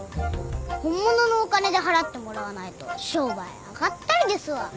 本物のお金で払ってもらわないと商売あがったりですわ。